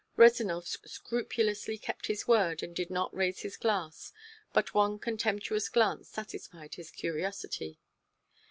Rezanov scrupulously kept his word and did not raise his glass, but one contemptuous glance satisfied his curiosity.